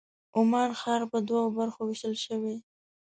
عمان ښار په دوو برخو وېشل شوی.